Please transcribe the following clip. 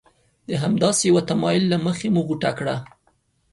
د همداسې یوه تمایل له مخې مو غوټه کړه.